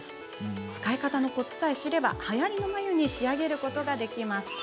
使い方のコツさえ知ればはやりの眉に仕上げることができるんです。